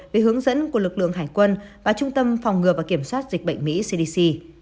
về hướng dẫn của lực lượng hải quân và trung tâm phòng ngừa và kiểm soát dịch bệnh mỹ cdc